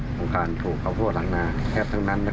ของการถูกข้าวโพดหลังนาแทบทั้งนั้น